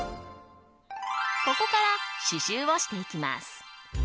ここから刺しゅうをしていきます。